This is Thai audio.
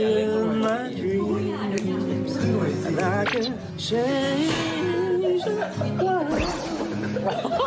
ลงเมื่อกี๊